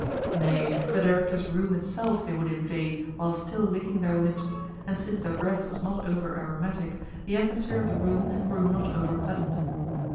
Nay, the Director's room itself they would invade while still licking their lips, and since their breath was not over aromatic, the atmosphere of the room grew not over pleasant.